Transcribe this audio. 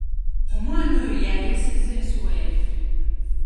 Omwana ono y'ayasizza ensuwa yaffe.